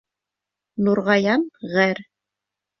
Нурғаян ғәр.